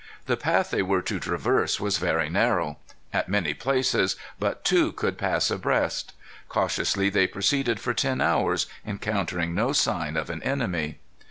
The path they were to traverse was very narrow. At many places but two could pass abreast. Cautiously they proceeded for ten hours, encountering no sign of an enemy.